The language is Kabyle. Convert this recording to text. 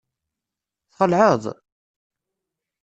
Txelɛeḍ?